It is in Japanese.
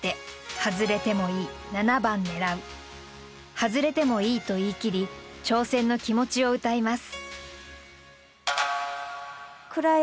「外れてもいい」と言い切り挑戦の気持ちをうたいます。